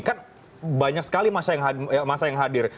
kan banyak sekali masa yang hadir